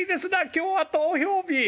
今日は投票日ええ？